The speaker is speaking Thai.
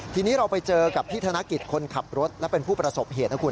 ทีนี้เราไปเจอกับพี่ธนกิจคนขับรถและเป็นผู้ประสบเหตุนะคุณ